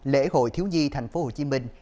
lễ hội thiếu nhi thành phố hồ chí minh